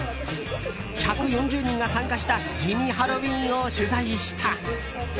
１４０人が参加した「地味ハロウィン」を取材した。